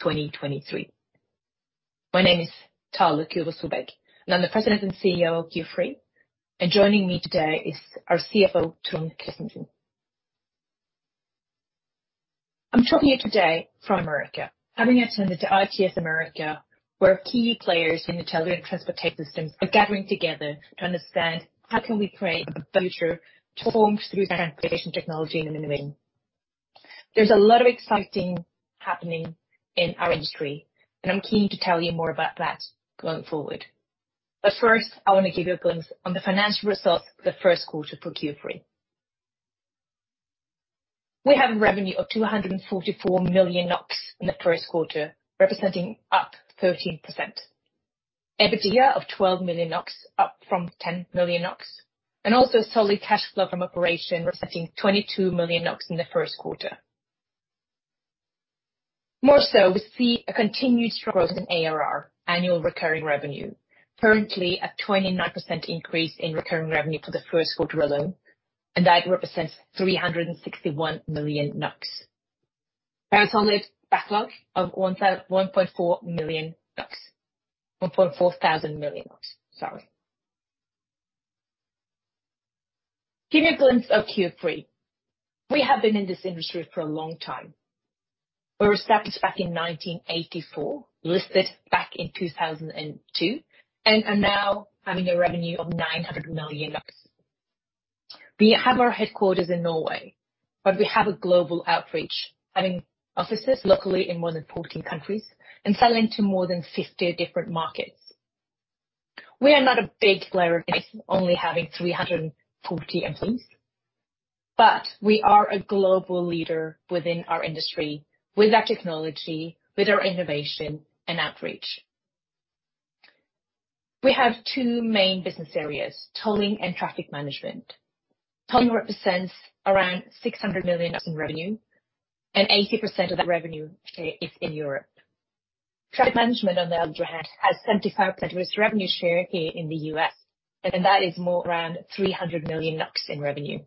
2023. My name is Thale Kuvås Solberg, I'm the President and CEO of Q-Free. Joining me today is our CFO, Trond Christensen. I'm talking to you today from America, having attended to ITS America, where key players in the tele and transportation systems are gathering together to understand how can we create a better tomorrow through transportation technology and innovative. There's a lot of exciting happening in our industry, I'm keen to tell you more about that going forward. First, I wanna give you a glimpse on the financial results for the Q1 for Q-Free. We have a revenue of 244 million NOK in the Q1, representing up 13%. EBITDA of 12 million NOK, up from 10 million NOK. Also solid cash flow from operation representing 22 million NOK in the Q1. We see a continued growth in ARR, annual recurring revenue, currently a 29% increase in recurring revenue for the Q1 alone. That represents 361 million. That's on this backlog of 1.4 billion, sorry. Give you a glimpse of Q-Free. We have been in this industry for a long time. We were established back in 1984, listed back in 2002, are now having a revenue of 900 million. We have our headquarters in Norway. We have a global outreach, having offices locally in more than 14 countries and selling to more than 50 different markets. We are not a big player in this, only having 340 employees, but we are a global leader within our industry with our technology, with our innovation and outreach. We have two main business areas, tolling and traffic management. Tolling represents around 600 million in revenue, and 80% of that revenue is in Europe. Traffic management, on the other hand, has 75% with revenue share here in the US, and that is more around 300 million in revenue.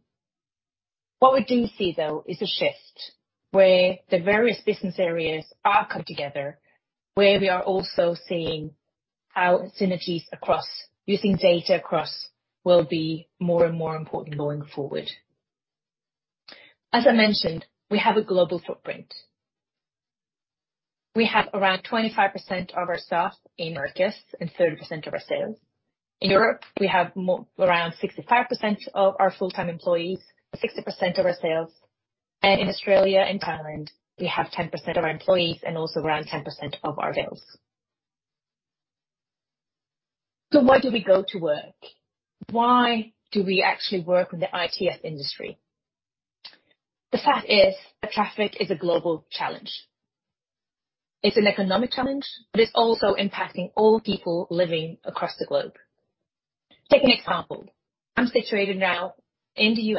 What we do see though is a shift where the various business areas are coming together, where we are also seeing how synergies across using data across will be more and more important going forward. As I mentioned, we have a global footprint. We have around 25% of our staff in Americas and 30% of our sales. In Europe, we have around 65% of our full-time employees, 60% of our sales. In Australia and Thailand, we have 10% of our employees and also around 10% of our sales. Why do we go to work? Why do we actually work with the ITS industry? The fact is that traffic is a global challenge. It's an economic challenge. It's also impacting all people living across the globe. Take an example. I'm situated now in the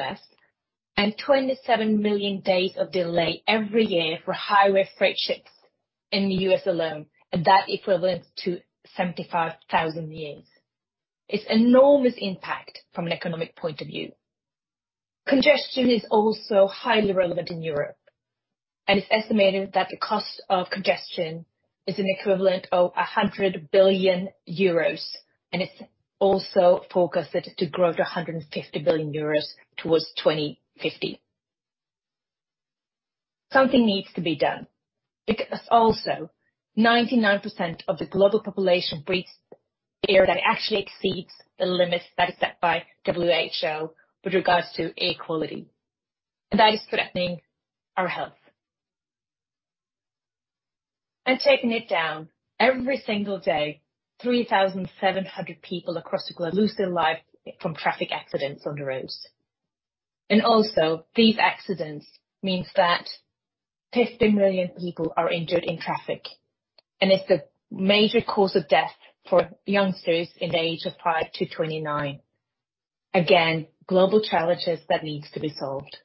U.S. 27 million days of delay every year for highway freight ships in the U.S. alone, that equivalent to 75,000 years. It's enormous impact from an economic point of view. Congestion is also highly relevant in Europe. It's estimated that the cost of congestion is an equivalent of 100 billion euros, and it's also forecasted to grow to 150 billion euros towards 2050. Something needs to be done. Because also 99% of the global population breathes air that actually exceeds the limits that is set by WHO with regards to air quality, and that is threatening our health. Taking it down, every single day, 3,700 people across the globe lose their life from traffic accidents on the roads. Also, these accidents means that 50 million people are injured in traffic, and it's a major cause of death for youngsters in the age of 5 to 29. Again, global challenges that needs to be solved.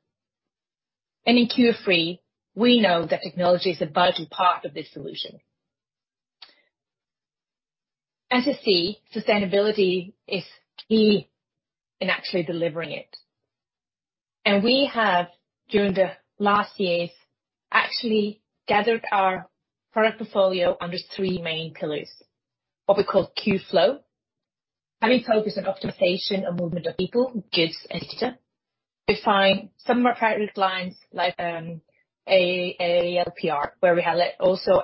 In Q-Free, we know that technology is a vital part of this solution. As you see, sustainability is key in actually delivering it. We have, during the last years, actually gathered our product portfolio under three main pillars, what we call Q-Flow, having focus on optimization and movement of people, goods, and data. We find some of our product lines like ALPR, where we have also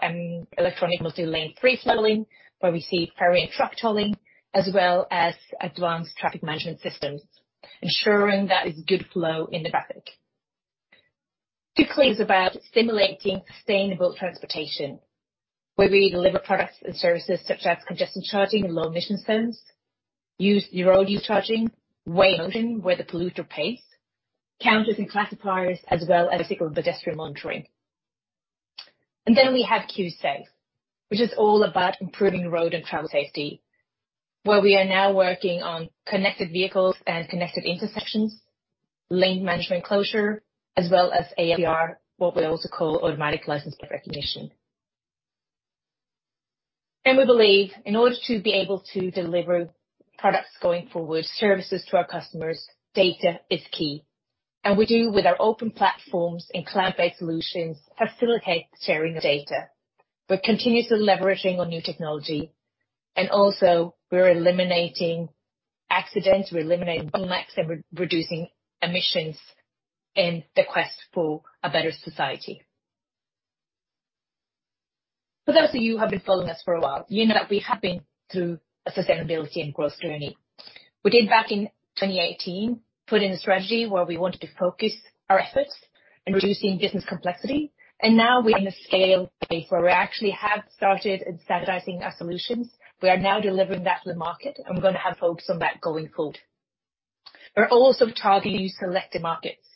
electronic multi-lane free flow, where we see ferry and truck tolling, as well as advanced traffic management systems, ensuring that it's good flow in the traffic. Q-Clean is about simulating sustainable transportation, where we deliver products and services such as congestion charging in low emission zones, road use charging, weigh-in-motion where the polluter pays, counters and classifiers, as well as people and pedestrian monitoring. We have Q-Safe, which is all about improving road and travel safety, where we are now working on connected vehicles and connected intersections, lane management closure, as well as ALPR, what we also call automatic license plate recognition. We believe in order to be able to deliver products going forward, services to our customers, data is key. We do with our open platforms and cloud-based solutions, facilitate sharing of data. We're continuously leveraging on new technology, and also we're eliminating accidents, we're eliminating bottlenecks, and we're reducing emissions in the quest for a better society. For those of you who have been following us for a while, you know that we have been through a sustainability and growth journey. We did back in 2018, put in a strategy where we wanted to focus our efforts in reducing business complexity, and now we're in a scale where we actually have started and standardizing our solutions. We are now delivering that to the market, and we're gonna have folks on that going forward. We're also targeting selective markets.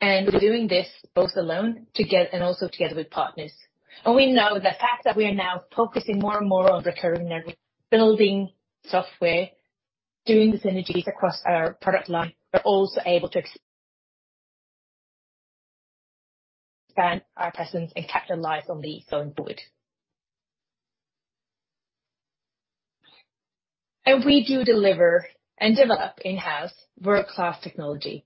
We're doing this both alone and also together with partners. We know the fact that we are now focusing more and more on returning and building software, doing the synergies across our product line. We're also able to expand our presence and capitalize on the going forward. We do deliver and develop in-house world-class technology.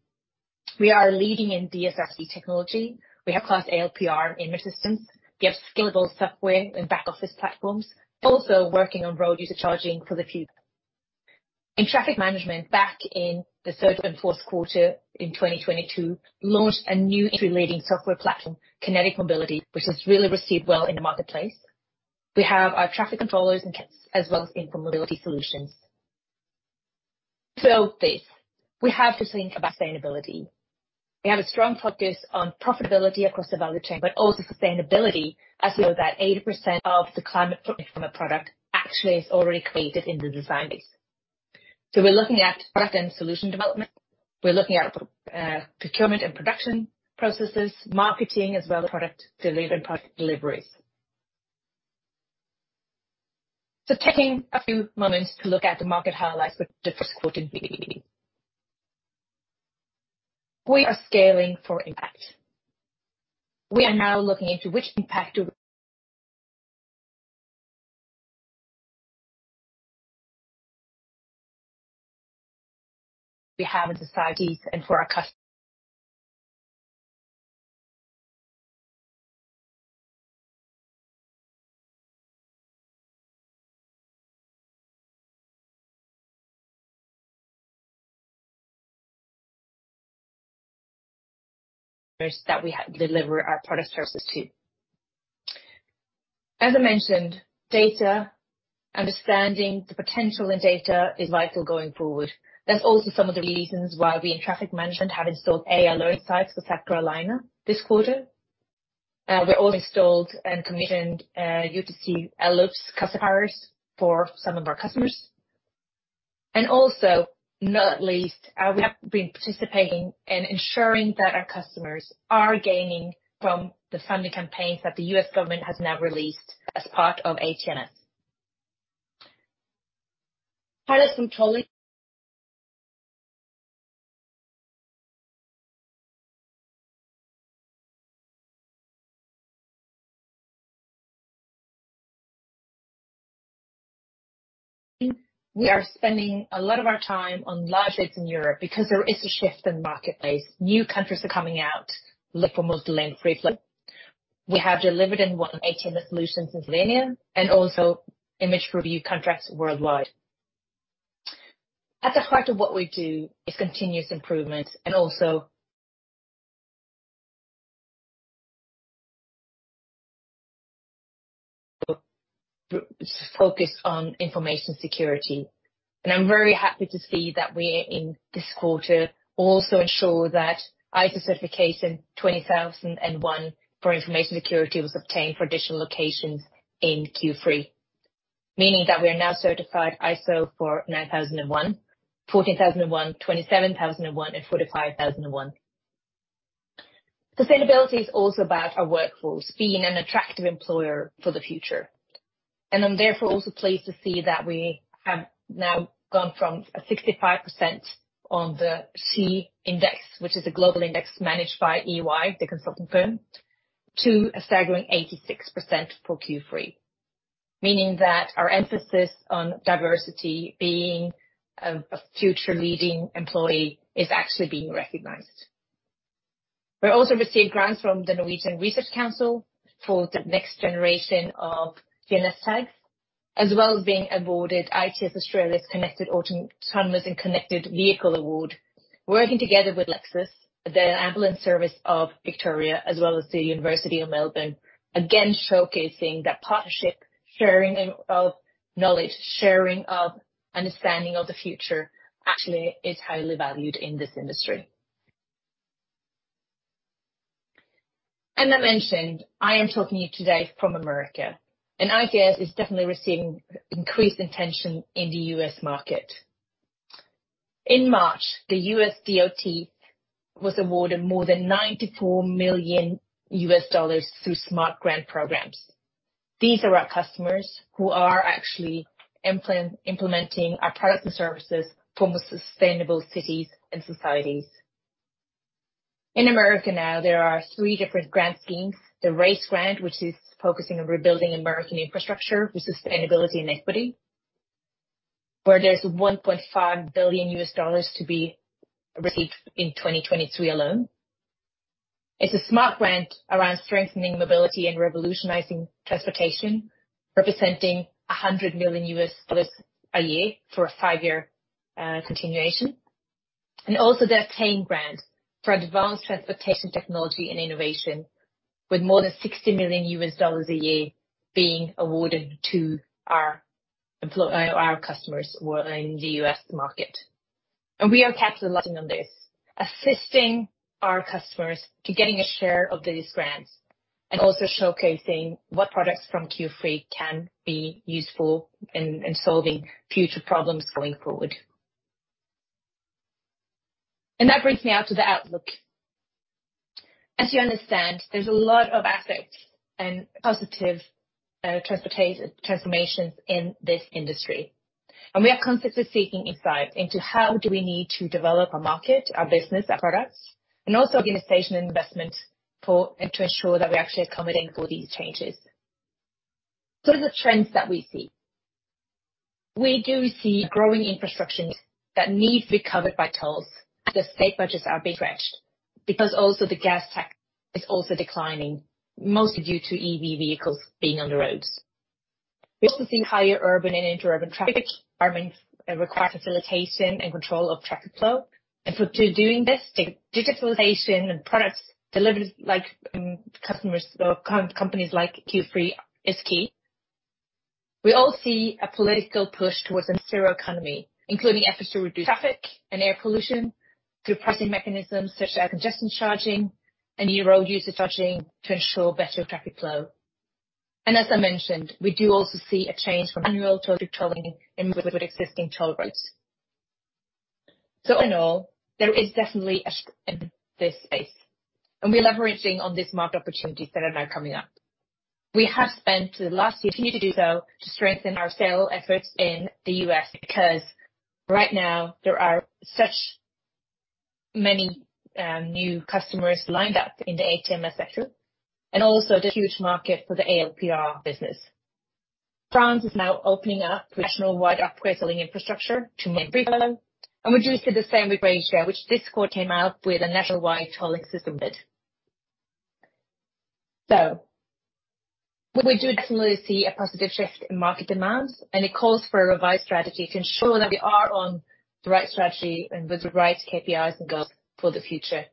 We are leading in DSRC technology. We have class ALPR image systems. We have scalable software and back office platforms, also working on road user charging for the future. In traffic management, back in the Q3 and Q4 in 2022, launched a new industry leading software platform, Kinetic Mobility, which has really received well in the marketplace. We have our traffic controllers and CA, as well as info mobility solutions. To build this, we have to think about sustainability. We have a strong focus on profitability across the value chain, but also sustainability, as we know that 80% of the climate footprint from a product actually is already created in the design phase. We're looking at product and solution development. We're looking at procurement and production processes, marketing, as well as product delivery and product deliveries. Taking a few moments to look at the market highlights for the Q1 in brief. We are scaling for impact. We are now looking into which impact do we have in societies and for our customers that we deliver our product services to. As I mentioned, data, understanding the potential in data is vital going forward. That's also some of the reasons why we in traffic management have installed ALO sites for South Carolina this quarter. We also installed and commissioned UTC ALPS customisers for some of our customers. Not at least, we have been participating in ensuring that our customers are gaining from the funding campaigns that the U.S. government has now released as part of HMS. Pilot and controlling. We are spending a lot of our time on live sites in Europe because there is a shift in the marketplace. New countries are coming out look for multi-lane free flow. We have delivered in one an ATMS solution since last year, and also image review contracts worldwide. At the heart of what we do is continuous improvements and also focus on information security. I'm very happy to see that we in this quarter also ensure that ISO certification 20001 for information security was obtained for additional locations in Q3. Meaning that we are now certified ISO for 9001, 14001, 27001, and 45001. Sustainability is also about our workforce being an attractive employer for the future. I'm therefore also pleased to see that we have now gone from a 65% on the C index, which is a global index managed by EY, the consulting firm, to a staggering 86% for Q3. Meaning that our emphasis on diversity being a future leading employee is actually being recognised. We also received grants from the Research Council of Norway for the next generation of DSRC tags, as well as being awarded ITS Australia's Connected and Automated Vehicle Award. Working together with Lexus Australia, the ambulance service of Victoria, as well as the University of Melbourne, again, showcasing that partnership, sharing of knowledge, sharing of understanding of the future, actually is highly valued in this industry. I mentioned, I am talking to you today from America, and ITS is definitely receiving increased attention in the U.S. market. In March, the U.S. DOT was awarded more than $94 million through SMART grant programs. These are our customers who are actually implementing our products and services for more sustainable cities and societies. In America now there are three different grant schemes. The RAISE grant, which is focusing on rebuilding American infrastructure with sustainability and equity, where there's $1.5 billion to be received in 2023 alone. It's a SMART grant around strengthening mobility and revolutionising transportation, representing $100 million a year for a 5-year continuation. The ATTAIN grant for advanced transportation technology and innovation with more than $60 million a year being awarded to our customers who are in the U.S. market. We are capitalising on this, assisting our customers to getting a share of these grants and also showcasing what products from Q3 can be useful in solving future problems going forward. That brings me now to the outlook. As you understand, there's a lot of aspects and positive transformations in this industry. We are constantly seeking insight into how do we need to develop our market, our business, our products, and also organisation investment to ensure that we're actually accommodating for these changes. What are the trends that we see? We do see growing infrastructure that needs to be covered by tolls as the state budgets are being stretched because also the gas tax is also declining, mostly due to EV vehicles being on the roads. We also see higher urban and inter-urban traffic requirements that require facilitation and control of traffic flow. For doing this, the digitalisation and products delivered like customers or companies like Q3 is key. We all see a political push towards a zero economy, including efforts to reduce traffic and air pollution through pricing mechanisms such as congestion charging and year-round user charging to ensure better traffic flow. As I mentioned, we do also see a change from annual toll to tolling in with existing toll roads. All in all, there is definitely a shift in this space, and we're leveraging on this market opportunities that are now coming up. We have spent the last year, continue to do so, to strengthen our sales efforts in the U.S. because right now there are such many new customers lined up in the HMS sector and also the huge market for the ALPR business. France is now opening up nationwide upgrade selling infrastructure to meet 2050. We do see the same with Brazil, which this quarter came out with a nationwide tolling system bid. We do definitely see a positive shift in market demands, and it calls for a revised strategy to ensure that we are on the right strategy and with the right KPIs and goals for the future.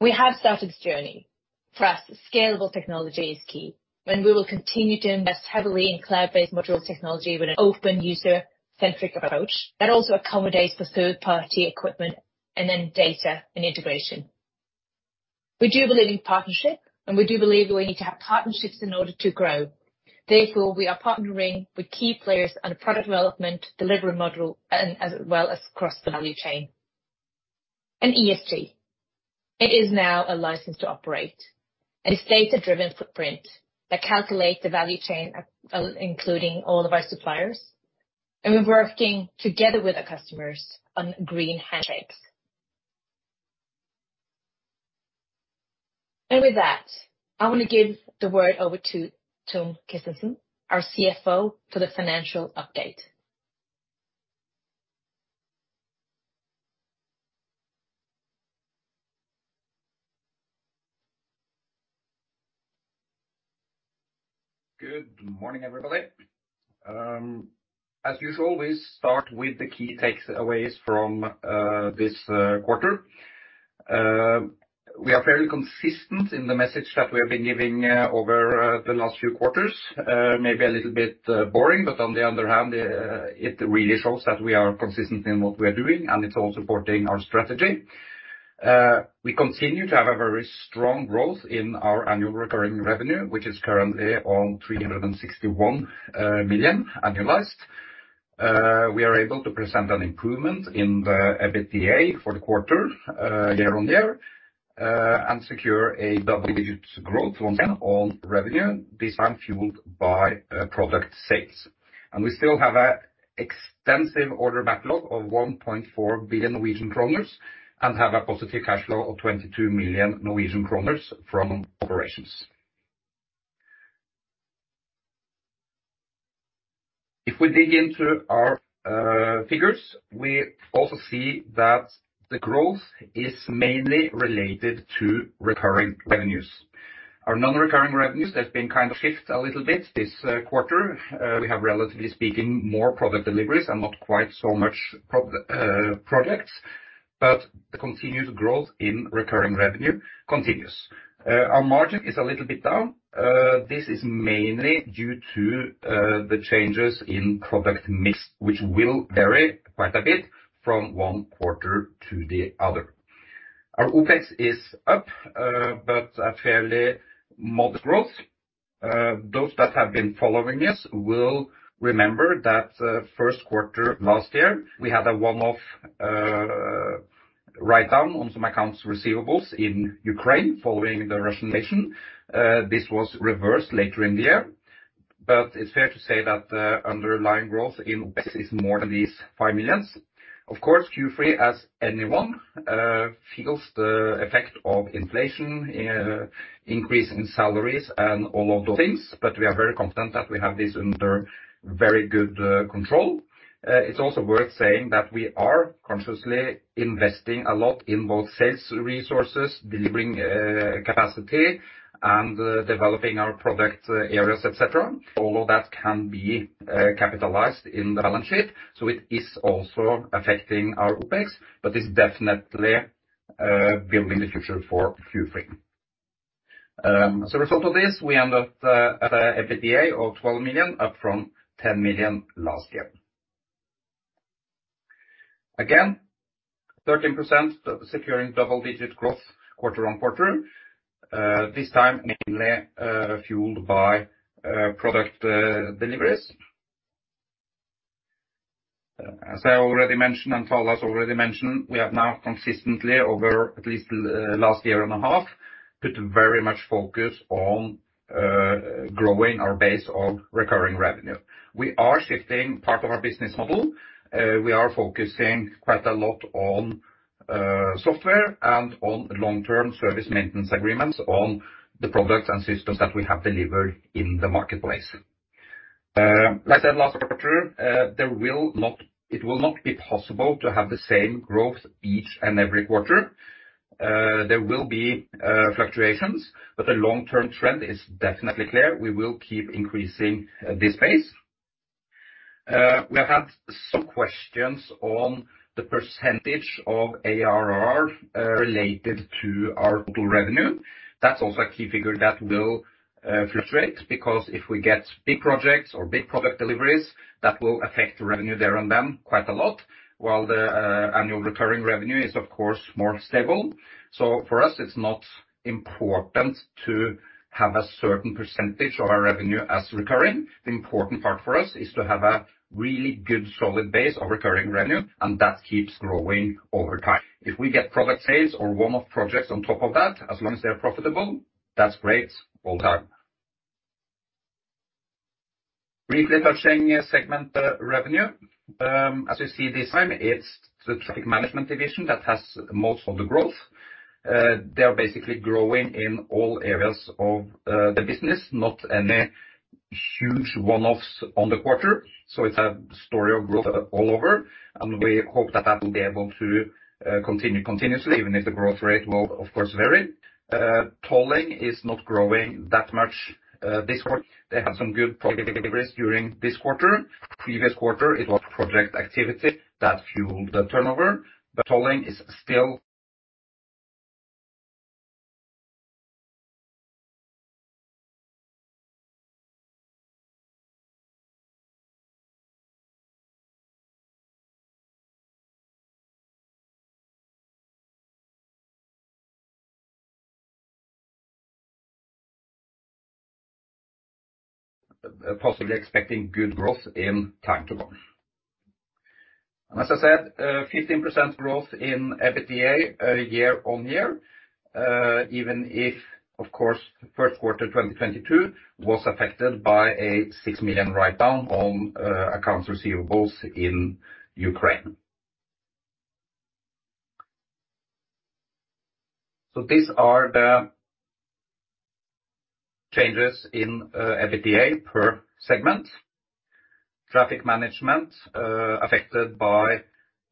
We have started this journey. For us, scalable technology is key, and we will continue to invest heavily in cloud-based module technology with an open user-centric approach that also accommodates for third-party equipment and then data and integration. We do believe in partnership, and we do believe we need to have partnerships in order to grow. We are partnering with key players on product development, delivery model, and as well as across the value chain. ESG, it is now a license to operate and it's data-driven footprint that calculate the value chain, including all of our suppliers. We're working together with our customers on green handshakes. With that, I want to give the word over to Trond Christensen, our CFO, for the financial update. Good morning, everybody. As usual, we start with the key takes aways from this quarter. We are fairly consistent in the message that we have been giving over the last few quarters. Maybe a little bit boring, on the other hand, it really shows that we are consistent in what we are doing and it's all supporting our strategy. We continue to have a very strong growth in our annual recurring revenue, which is currently on 361 million annualised. We are able to present an improvement in the EBITDA for the quarter YoY, secure a double-digit growth once again on revenue, this time fuelled by product sales. We still have a extensive order backlog of 1.4 billion Norwegian kroner and have a positive cash flow of 22 million Norwegian kroner from operations. If we dig into our figures, we also see that the growth is mainly related to recurring revenues. Our non-recurring revenues has been kind of shift a little bit this quarter. We have, relatively speaking, more product deliveries and not quite so much products. The continued growth in recurring revenue continues. Our margin is a little bit down. This is mainly due to the changes in product mix, which will vary quite a bit from one quarter to the other. Our OPEX is up, but a fairly modest growth. Those that have been following us will remember that Q1 last year, we had a one-off write-down on some accounts receivables in Ukraine following the Russian invasion. This was reversed later in the year. It's fair to say that the underlying growth in this is more than these 5 million. Of course, Q3 as anyone feels the effect of inflation, increase in salaries and all of those things, but we are very confident that we have this under very good control. It's also worth saying that we are consciously investing a lot in both sales resources, delivering capacity and developing our product areas, et cetera. All of that can be capitalised in the balance sheet, so it is also affecting our OpEx, but it's definitely building the future for Q3. As a result of this, we end up at EBITDA of 12 million, up from 10 million last year. 13% securing double-digit growth QoQ, this time mainly fuelled by product deliveries. As I already mentioned, Paulus already mentioned, we have now consistently over at least last year and a half, put very much focus on growing our base of recurring revenue. We are shifting part of our business model. We are focusing quite a lot on software and on long-term service maintenance agreements on the products and systems that we have delivered in the marketplace. Like I said last quarter, it will not be possible to have the same growth each and every quarter. There will be fluctuations, the long-term trend is definitely clear. We will keep increasing this phase. We have had some questions on the % of ARR related to our total revenue. That's also a key figure that will fluctuate, because if we get big projects or big product deliveries, that will affect revenue there and then quite a lot, while the annual recurring revenue is of course more stable. For us, it's not important to have a certain % of our revenue as recurring. The important part for us is to have a really good solid base of recurring revenue, and that keeps growing over time. If we get product sales or one-off projects on top of that, as long as they are profitable, that's great all the time. Briefly touching segment revenue. As you see this time, it's the Traffic Management division that has most of the growth. They are basically growing in all areas of the business, not any huge one-offs on the quarter. It's a story of growth all over, and we hope that that will be able to continue continuously, even if the growth rate will of course vary. Tolling is not growing that much this quarter. They had some good progress during this quarter. Previous quarter, it was project activity that fueled the turnover. Tolling is still possibly expecting good growth in time to come. As I said, 15% growth in EBITDA year-over-year, even if, of course, the Q1, 2022 was affected by a $6 million write-down on accounts receivables in Ukraine. These are the changes in EBITDA per segment. Traffic Management affected by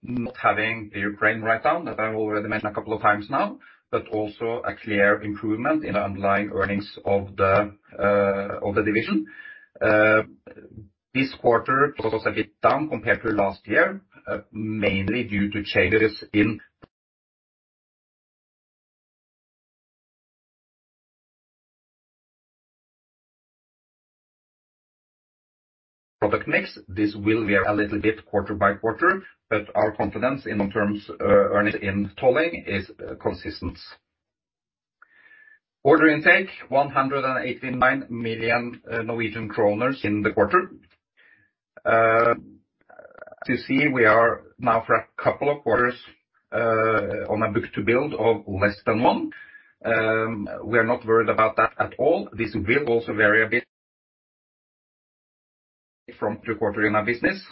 not having the Ukraine write-down, as I've already mentioned a couple of times now, but also a clear improvement in underlying earnings of the division. This quarter was a bit down compared to last year, mainly due to changes in product mix. This will vary a little bit quarter by quarter, but our confidence in long-term earnings in tolling is consistent. Order intake, 189 million Norwegian kroner in the quarter. As you see, we are now for a couple of quarters on a book-to-bill of less than 1. We are not worried about that at all. This will also vary a bit from quarter in our business.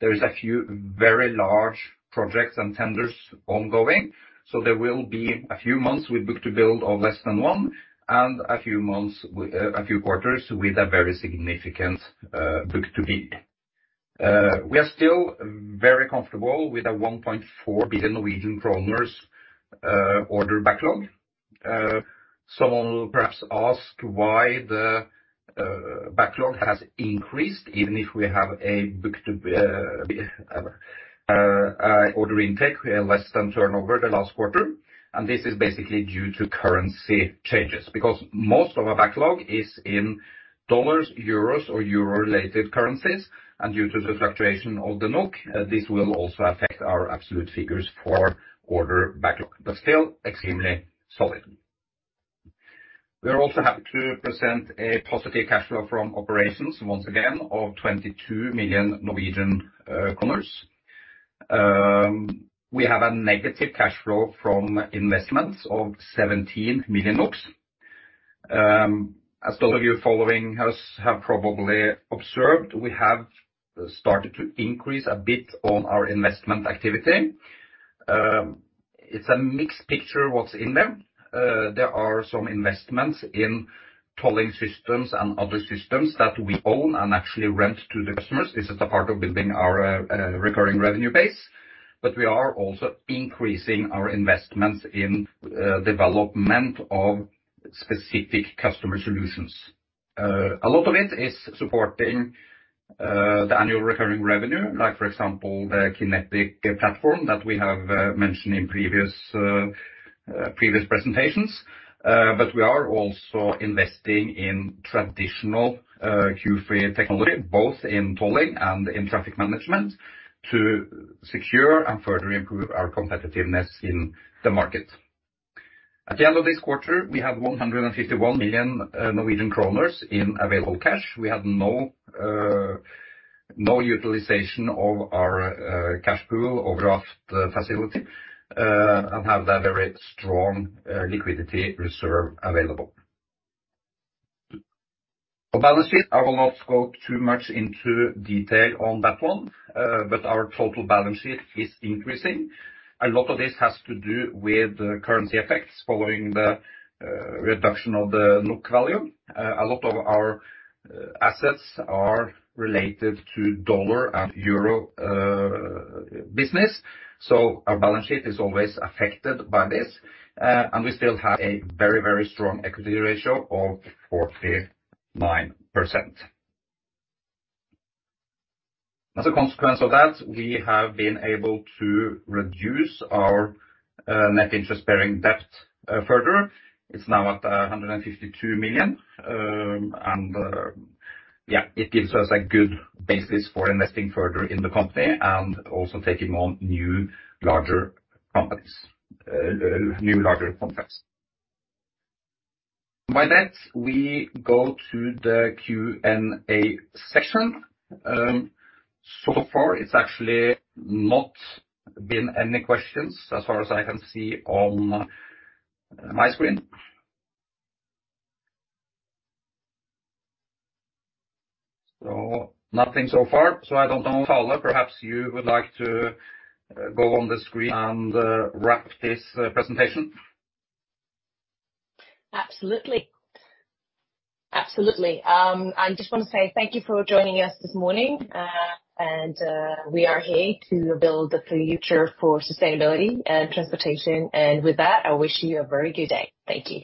There is a few very large projects and tenders ongoing, there will be a few months with book-to-bill of less than 1 and a few months with a few quarters with a very significant book-to-bill. We are still very comfortable with a 1.4 billion Norwegian kroner order backlog. Someone will perhaps ask why the backlog has increased, even if we have a book-to-bill order intake less than turnover the last quarter. This is basically due to currency changes, because most of our backlog is in dollars, euros or euro-related currencies. Due to the fluctuation of the NOK, this will also affect our absolute figures for order backlog, but still extremely solid. We are also happy to present a positive cash flow from operations once again of 22 million. We have a negative cash flow from investments of 17 million NOK. As those of you following us have probably observed, we have started to increase a bit on our investment activity. It's a mixed picture what's in them. There are some investments in tolling systems and other systems that we own and actually rent to the customers. This is the part of building our recurring revenue base. We are also increasing our investments in development of specific customer solutions. A lot of it is supporting the annual recurring revenue, like, for example, the Kinetic platform that we have mentioned in previous presentations. We are also investing in traditional Q-Free technology, both in tolling and in traffic management, to secure and further improve our competitiveness in the market. At the end of this quarter, we have 151 million Norwegian kroner in available cash. We have no no utilisation of our cash pool or draft facility and have that very strong liquidity reserve available. Our balance sheet, I will not go too much into detail on that one, but our total balance sheet is increasing. A lot of this has to do with the currency effects following the reduction of the NOK volume. A lot of our assets are related to dollar and euro business, so our balance sheet is always affected by this. We still have a very, very strong equity ratio of 49%. As a consequence of that, we have been able to reduce our net interest-bearing debt further. It's now at 152 million. It gives us a good basis for investing further in the company and also taking on new, larger companies, new larger contracts. By that, we go to the Q&A section. Far it's actually not been any questions as far as I can see on my screen. Nothing so far. I don't know, Thale, perhaps you would like to go on the screen and wrap this presentation. Absolutely. Absolutely. I just wanna say thank you for joining us this morning. We are here to build the future for sustainability and transportation. With that, I wish you a very good day. Thank you.